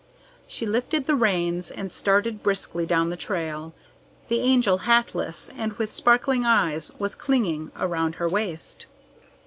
She lifted the reins and started briskly down the trail. The Angel, hatless and with sparkling eyes, was clinging around her waist.